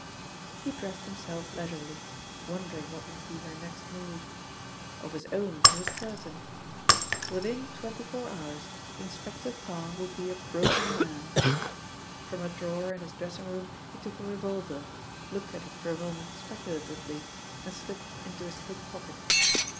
He dressed himself leisurely, wondering what would be her next move. Of his own he was certain. Within twenty four hours Inspector Parr would be a broken man. From a drawer in his dressing room he took a revolver, looked at it for a moment speculatively, and slipped it into his hip pocket.